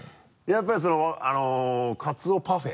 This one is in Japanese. やっぱりカツオパフェ？